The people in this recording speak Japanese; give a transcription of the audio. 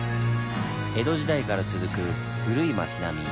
江戸時代から続く古い町並み。